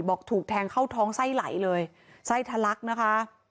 บอกถูกแทงเข้าท้องไส้ไหลเลยไส้ทะลักนะคะ